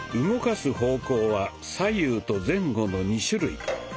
動かす方向は左右と前後の２種類。